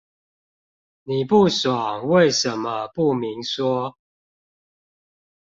你不爽為什麼不明說？